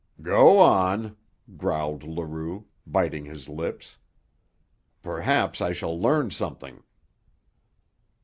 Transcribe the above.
"Go on," growled Leroux, biting his lips. "Perhaps I shall learn something."